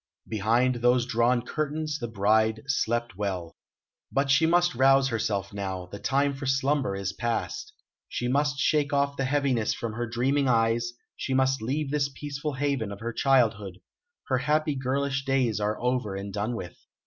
Behind those drawn curtains the bride slept well. But she must rouse herself now; the time for slumber is past. She must shake off the heaviness from her dreaming eyes; she must leave this peaceful haven of her childhood; her happy girlish days are over and done with.